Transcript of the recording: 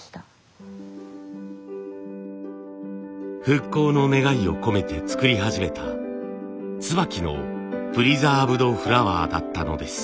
復興の願いを込めて作り始めた椿のプリザーブドフラワーだったのです。